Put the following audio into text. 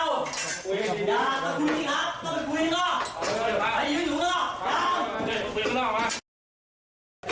ออกเป็นบ้านไม่เป็นบ้านตกไป